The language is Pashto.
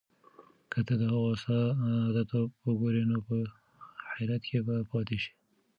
که ته د هغوی ساده توب وګورې، نو په حیرت کې به پاتې شې.